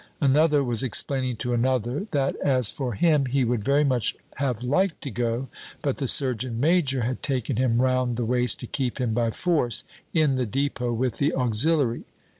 Another was explaining to another that, as for him, he would very much have liked to go, but the surgeon major had taken him round the waist to keep him by force in the depot with the auxiliary.